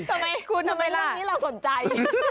ทำไมคุณทำไมเรื่องนี้เราสนใจ